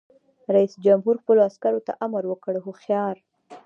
رئیس جمهور خپلو عسکرو ته امر وکړ؛ هوښیار!